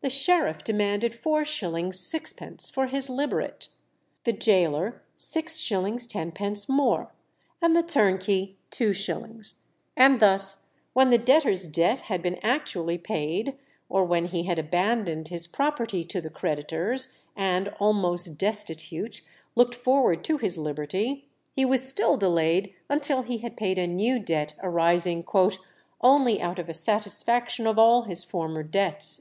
The sheriff demanded 4_s._ 6_d._ for his liberate, the gaoler 6_s._ 10_d._ more, and the turnkey 2_s._; and thus when the debtor's debt had been actually paid, or when he had abandoned his property to the creditors, and, almost destitute, looked forward to his liberty, he was still delayed until he had paid a new debt arising "only out of a satisfaction of all his former debts."